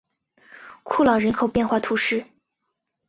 库朗人口变化图示